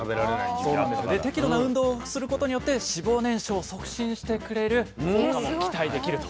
で適度な運動をすることによって脂肪燃焼を促進してくれる効果も期待できると。